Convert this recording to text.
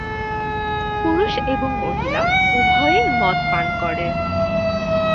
পুরুষ এবং মহিলা উভয়ই মদ পান করে।